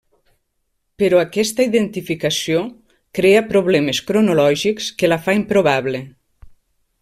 Però aquesta identificació crea problemes cronològics que la fa improbable.